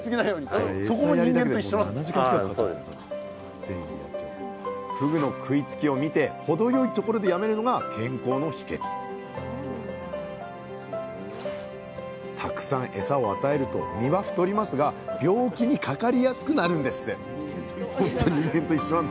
そこもふぐの食いつきを見て程よいところでやめるのが健康の秘けつたくさんエサを与えると身は太りますが病気にかかりやすくなるんですって人間と一緒じゃない。